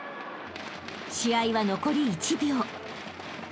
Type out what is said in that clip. ［試合は残り１秒］